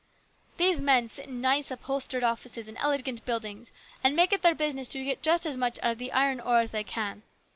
These men sit in nice, upholstered offices in elegant buildings and make it their business to get just as much out of the iron ore as they can.